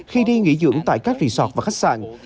khi đi nghỉ dưỡng tại các resort và khách sạn